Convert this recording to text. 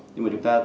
nhưng mà chúng ta